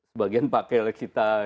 sebagian pakel kita